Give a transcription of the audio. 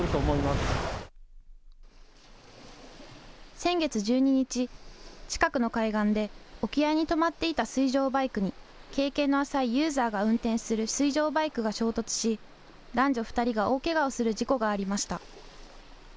先月１２日、近くの海岸で沖合に止まっていた水上バイクに経験の浅いユーザーが運転する水上バイクが衝突し、男女２人が大けがをする事故がありました。